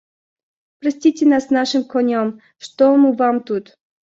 Простите нас с нашим конем, что мы Вам тут.